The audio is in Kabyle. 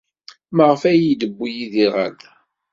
Maɣef ay iyi-d-yewwi Yidir ɣer da?